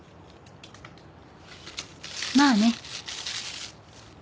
まあね。